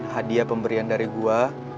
hadiah pemberian dari gue